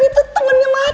itu temennya macan